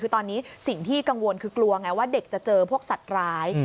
คือตอนนี้สิ่งที่กังวลคือกลัวไงว่าเด็กจะเจอพวกสัตว์ร้าย